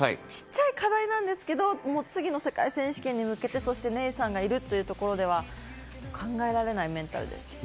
小っちゃい課題なんですけど、次の世界選手権に向けてネイサンがいるというところでは考えられないメンタルです。